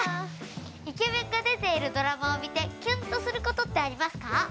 イケメンが出ているドラマを見てキュンとすることってありますか？